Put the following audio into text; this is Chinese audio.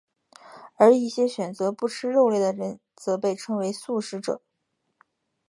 而一些选择不吃肉类的人则被称为素食者。